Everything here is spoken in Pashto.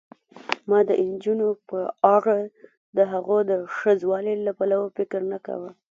ما د نجونو په اړه دهغو د ښځوالي له پلوه فکر نه کاوه.